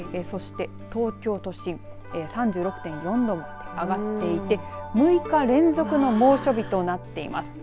そして東京都心３６．４度上がっていて６日連続の猛暑日となっています。